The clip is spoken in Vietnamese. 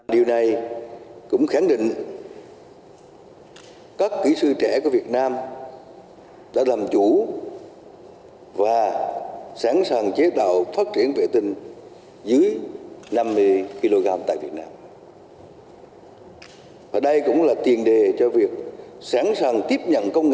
điều này cũng khẳng định các kỹ sư trẻ của việt nam đã làm chủ và sẵn sàng chế tạo phát triển vệ tinh